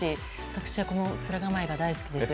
私は面構えが大好きです。